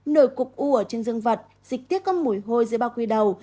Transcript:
nồi cục u ở trên dân vật dịch tiết có mùi hôi dưới bao quy đầu